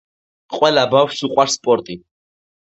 ყველა ბავშვს უყვარს სპორტი.